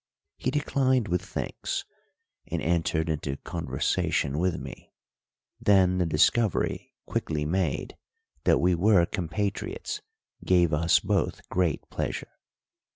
He declined with thanks, and entered into conversation with me; then the discovery, quickly made, that we were compatriots gave us both great pleasure.